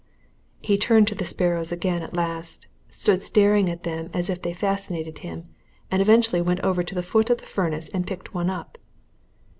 He turned to the sparrows again at last, stood staring at them as if they fascinated him, and eventually went over to the foot of the furnace and picked one up.